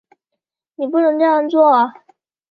你不能这样做